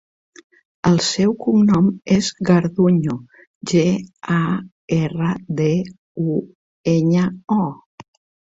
El seu cognom és Garduño: ge, a, erra, de, u, enya, o.